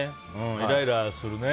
イライラするね。